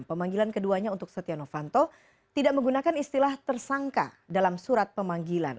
pemanggilan keduanya untuk setia novanto tidak menggunakan istilah tersangka dalam surat pemanggilan